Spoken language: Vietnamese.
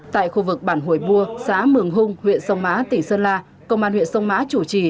tại khu vực bản hồi bua xã mường hung huyện sông mã tỉnh sơn la công an huyện sông mã chủ trì